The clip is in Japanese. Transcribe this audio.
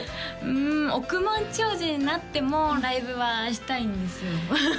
うん億万長者になってもライブはしたいんですよ